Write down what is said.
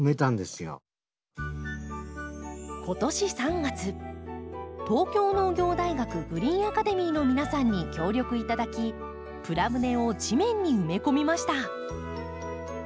今年３月東京農業大学グリーンアカデミーの皆さんに協力いただきプラ舟を地面に埋め込みました。